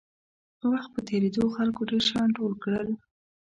وخت په تېرېدو خلکو ډېر شیان ټول کړل.